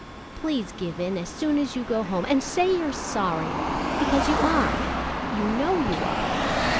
Please give in as soon as you go home, and say you're sorry, because you are you know you are."